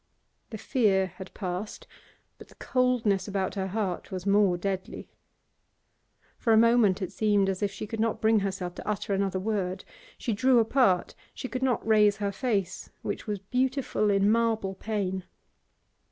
The fear had passed, but the coldness about her heart was more deadly. For a moment it seemed as if she could not bring herself to utter another word; she drew apart, she could not raise her face, which was beautiful in marble pain.